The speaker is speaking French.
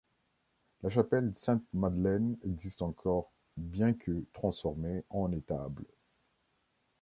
La chapelle Sainte-Madeleine existe encore bien que transformée en étable.